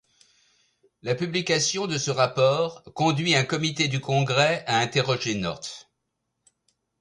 La publication de ce rapport conduit un comité du congrès à interroger North.